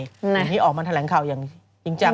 อันนี้ออกมาแถลงข่าวอย่างจริงจัง